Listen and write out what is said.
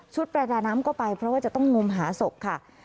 ประดาน้ำก็ไปเพราะว่าจะต้องงมหาศพค่ะ